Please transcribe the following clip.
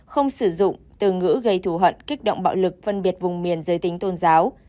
không sử dụng từ ngữ gây thù hận kích động bạo lực phân biệt vùng miền giới tính tôn giáo